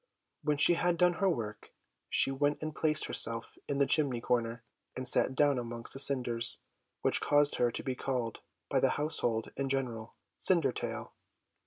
When she had done her work, she went and placed herself in the chimney corner, and sat down amongst the cinders, which caused her to be called by the household in general Cindertail.